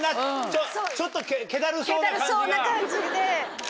気怠そうな感じで。